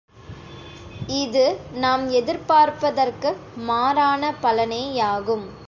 இது நாம் எதிர்பார்ப்பதற்கு மாறான பலனேயாகும்.